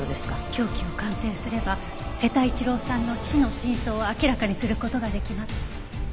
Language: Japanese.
凶器を鑑定すれば瀬田一郎さんの死の真相を明らかにする事ができます。